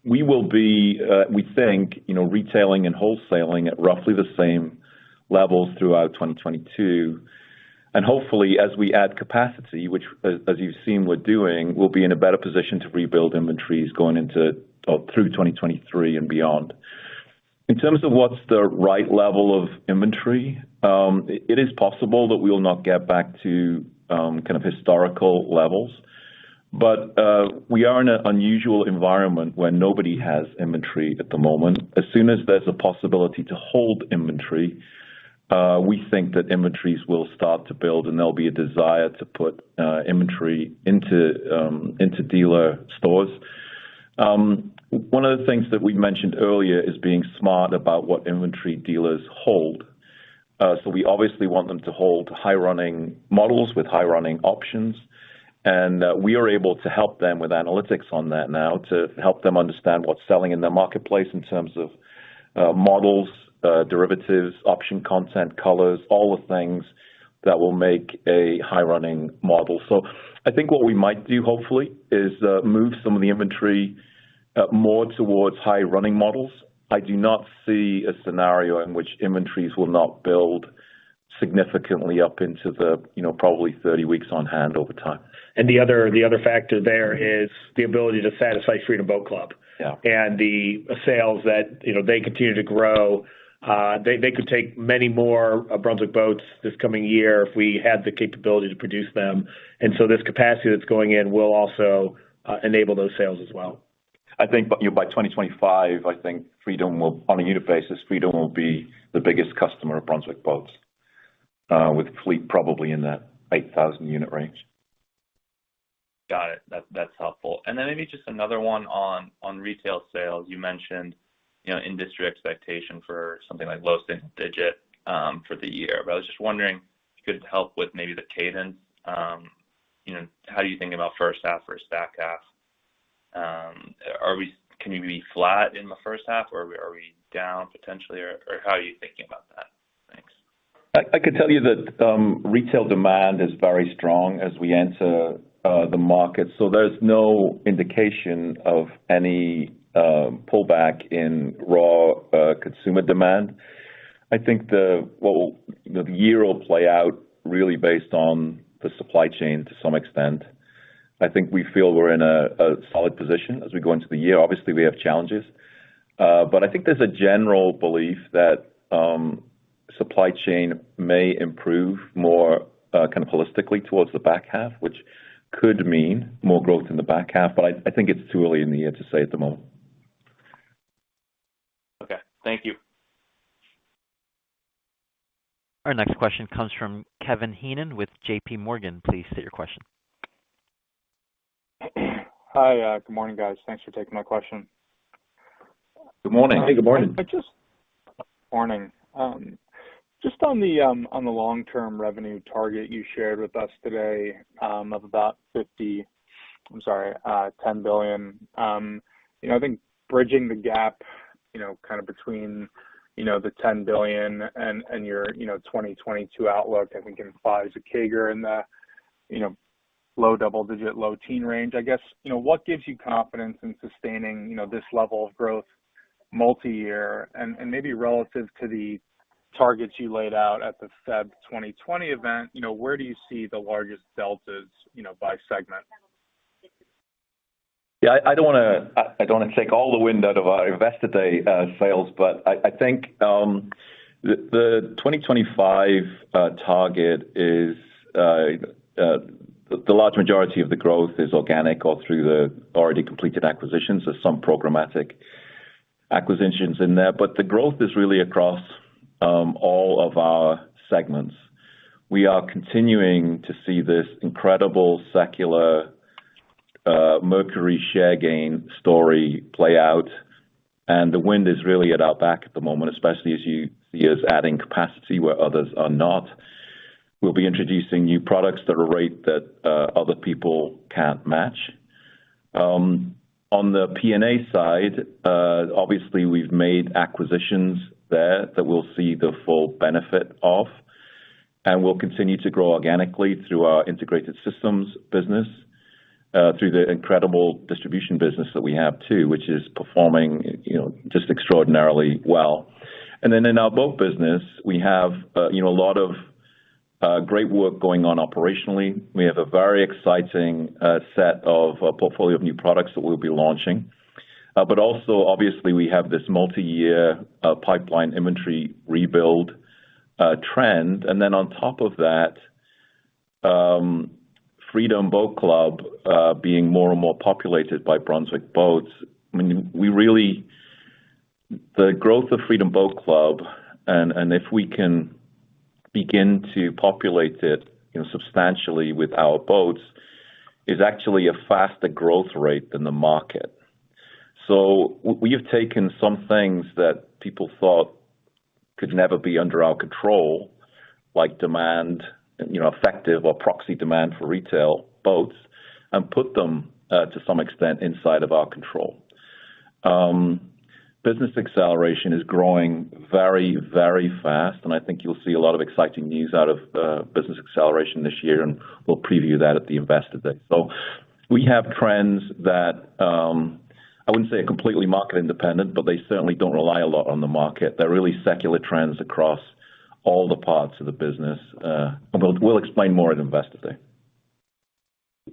We will be, we think, you know, retailing and wholesaling at roughly the same levels throughout 2022. Hopefully, as we add capacity, which as you've seen we're doing, we'll be in a better position to rebuild inventories going into or through 2023 and beyond. In terms of what's the right level of inventory, it is possible that we will not get back to kind of historical levels. We are in an unusual environment where nobody has inventory at the moment. As soon as there's a possibility to hold inventory, we think that inventories will start to build, and there'll be a desire to put inventory into dealer stores. One of the things that we mentioned earlier is being smart about what inventory dealers hold. We obviously want them to hold high running models with high running options, and we are able to help them with analytics on that now to help them understand what's selling in their marketplace in terms of models, derivatives, option content, colors, all the things that will make a high running model. I think what we might do, hopefully, is move some of the inventory more towards high running models. I do not see a scenario in which inventories will not build significantly up into the, you know, probably 30 weeks on hand over time. The other factor there is the ability to satisfy Freedom Boat Club. Yeah. The sales that, you know, they continue to grow, they could take many more of Brunswick Boats this coming year if we had the capability to produce them. This capacity that's going in will also enable those sales as well. I think by 2025, on a unit basis, Freedom will be the biggest customer of Brunswick Boat Group, with fleet probably in that 8,000 unit range. Got it. That's helpful. Then maybe just another one on retail sales. You mentioned, you know, industry expectation for something like low single digit for the year. But I was just wondering if you could help with maybe the cadence. You know, how you think about first half versus back half. Can you be flat in the first half, or are we down potentially? Or how are you thinking about that? Thanks. I could tell you that retail demand is very strong as we enter the market, so there's no indication of any pullback in our consumer demand. I think the year will play out really based on the supply chain to some extent. I think we feel we're in a solid position as we go into the year. Obviously, we have challenges, but I think there's a general belief that supply chain may improve more kind of holistically toward the back half, which could mean more growth in the back half. I think it's too early in the year to say at the moment. Okay. Thank you. Our next question comes from Kevin Heenan with J.P. Morgan. Please state your question. Hi. Good morning, guys. Thanks for taking my question. Good morning. Good morning. Good morning. Just on the long-term revenue target you shared with us today, of about $10 billion. You know, I think bridging the gap, you know, kind of between, you know, the $10 billion and your 2022 outlook, I think implies a CAGR in the low double-digit, low-teens range. I guess, you know, what gives you confidence in sustaining this level of growth multi-year and maybe relative to the targets you laid out at the February 2020 event? You know, where do you see the largest deltas, you know, by segment? Yeah. I don't wanna take all the wind out of our Investor Day sails, but I think the 2025 target is the large majority of the growth is organic or through the already completed acquisitions. There's some programmatic acquisitions in there. The growth is really across all of our segments. We are continuing to see this incredible secular Mercury share gain story play out, and the wind is really at our back at the moment, especially as you see us adding capacity where others are not. We'll be introducing new products at a rate that other people can't match. On the PNA side, obviously we've made acquisitions there that we'll see the full benefit of, and we'll continue to grow organically through our integrated systems business, through the incredible distribution business that we have too, which is performing, you know, just extraordinarily well. In our boat business, we have, you know, a lot of great work going on operationally. We have a very exciting set of a portfolio of new products that we'll be launching. We have this multi-year pipeline inventory rebuild trend. On top of that, Freedom Boat Club being more and more populated by Brunswick Boats. The growth of Freedom Boat Club, and if we can begin to populate it, you know, substantially with our boats, is actually a faster growth rate than the market. We have taken some things that people thought could never be under our control, like demand, you know, effective or proxy demand for retail boats, and put them to some extent inside of our control. Business acceleration is growing very, very fast, and I think you'll see a lot of exciting news out of business acceleration this year, and we'll preview that at the Investor Day. We have trends that I wouldn't say are completely market-independent, but they certainly don't rely a lot on the market. They're really secular trends across all the parts of the business. We'll explain more at Investor Day.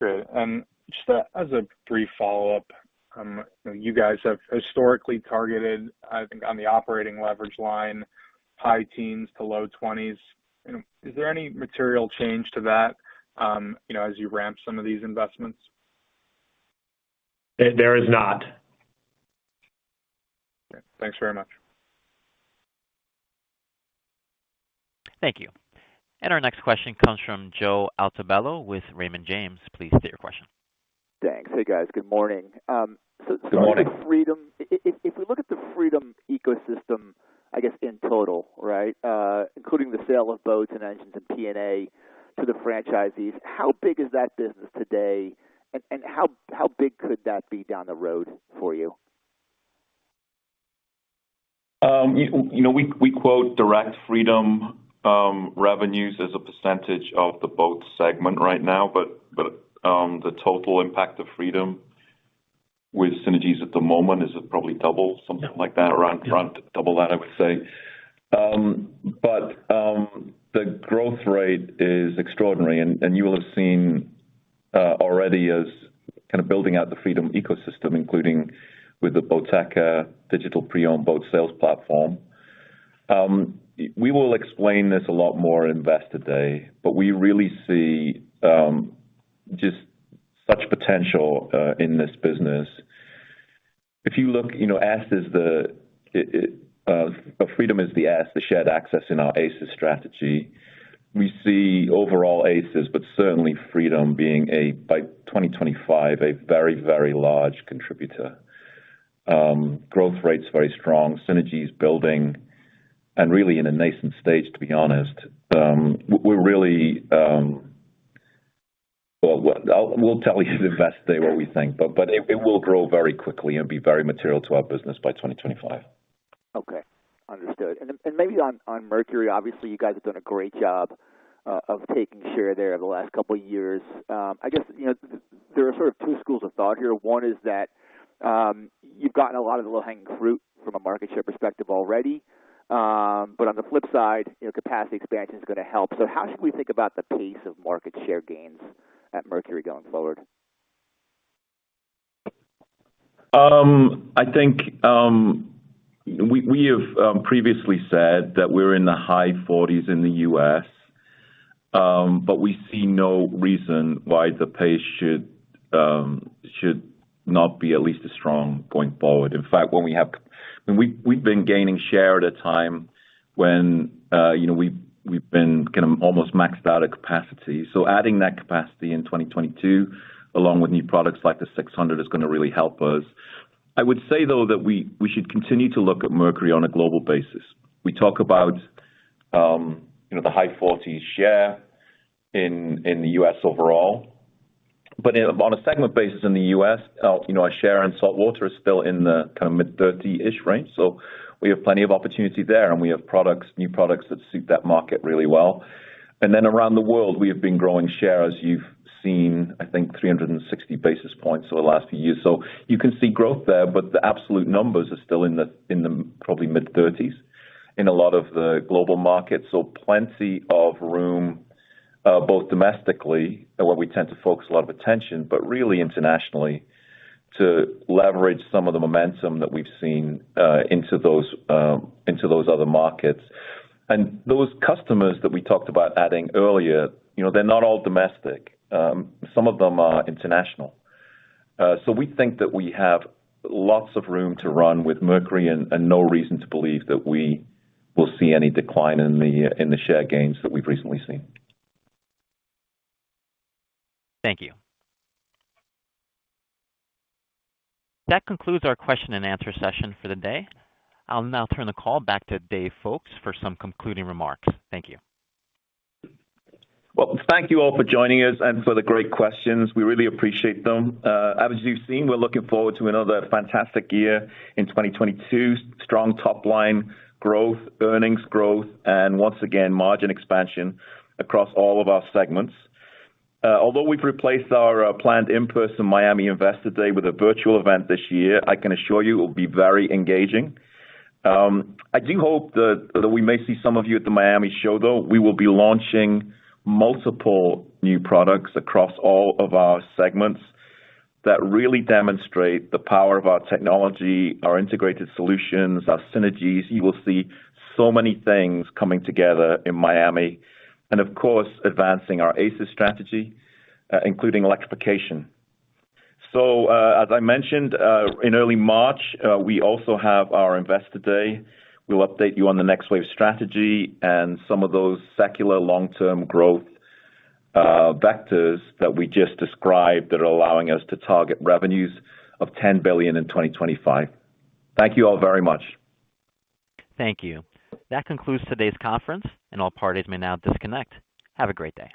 Great. Just as a brief follow-up, you guys have historically targeted, I think on the operating leverage line, high teens to low twenties. Is there any material change to that, you know, as you ramp some of these investments? There is not. Thanks very much. Thank you. Our next question comes from Joe Altobello with Raymond James. Please state your question. Thanks. Hey, guys. Good morning. Good morning. Freedom. If we look at the Freedom ecosystem, I guess in total, right? Including the sale of boats and engines and P&A to the franchisees, how big is that business today? How big could that be down the road for you? You know, we quote direct Freedom revenues as a percentage of the boat segment right now, but the total impact of Freedom with synergies at the moment is probably double, something like that, around double that, I would say. The growth rate is extraordinary, and you will have seen already as kind of building out the Freedom ecosystem, including with the Boateka digital pre-owned boat sales platform. We will explain this a lot more at Investor Day, but we really see just such potential in this business. If you look, Freedom is the S, the shared access in our ACES strategy. We see overall ACES, but certainly Freedom being a, by 2025, a very, very large contributor. Growth rate's very strong, synergy is building and really in a nascent stage, to be honest. Well, we'll tell you at Investor Day what we think, but it will grow very quickly and be very material to our business by 2025. Okay. Understood. Maybe on Mercury, obviously, you guys have done a great job of taking share there the last couple of years. I guess, you know, there are sort of two schools of thought here. One is that you've gotten a lot of the low-hanging fruit from a market share perspective already. On the flip side, you know, capacity expansion is going to help. How should we think about the pace of market share gains at Mercury going forward? I think we have previously said that we're in the high 40s in the U.S., but we see no reason why the pace should not be at least as strong going forward. In fact, we've been gaining share at a time when, you know, we've been kind of almost maxed out at capacity. Adding that capacity in 2022, along with new products like the 600, is gonna really help us. I would say, though, that we should continue to look at Mercury on a global basis. We talk about, you know, the high 40s share in the U.S. overall. On a segment basis in the U.S., you know, our share in saltwater is still in the mid 30-ish range, so we have plenty of opportunity there, and we have products, new products that suit that market really well. Then around the world, we have been growing share as you've seen, I think 360 basis points over the last few years. You can see growth there, but the absolute numbers are still in the probably mid-30s in a lot of the global markets. Plenty of room, both domestically, where we tend to focus a lot of attention, but really internationally, to leverage some of the momentum that we've seen into those other markets. Those customers that we talked about adding earlier, you know, they're not all domestic. Some of them are international. We think that we have lots of room to run with Mercury and no reason to believe that we will see any decline in the share gains that we've recently seen. Thank you. That concludes our question and answer session for the day. I'll now turn the call back to Dave Foulkes for some concluding remarks. Thank you. Well, thank you all for joining us and for the great questions. We really appreciate them. As you've seen, we're looking forward to another fantastic year in 2022. Strong top line growth, earnings growth, and once again, margin expansion across all of our segments. Although we've replaced our planned in-person Miami Investor Day with a virtual event this year, I can assure you it will be very engaging. I do hope that we may see some of you at the Miami show, though. We will be launching multiple new products across all of our segments that really demonstrate the power of our technology, our integrated solutions, our synergies. You will see so many things coming together in Miami, and of course, advancing our ACES strategy, including electrification. As I mentioned, in early March, we also have our Investor Day. We'll update you on the Next Wave strategy and some of those secular long-term growth vectors that we just described that are allowing us to target revenues of $10 billion in 2025. Thank you all very much. Thank you. That concludes today's conference, and all parties may now disconnect. Have a great day.